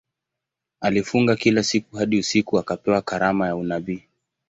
Alifunga kila siku hadi usiku akapewa karama ya unabii.